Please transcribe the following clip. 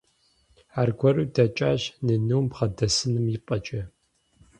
Аргуэру дэкӀащ, нынум бгъэдэсыным ипӀэкӀэ.